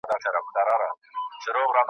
څو په نوم انسانيت وي .